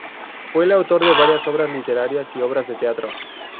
Fue el autor de varias obras literarias y obras de teatro.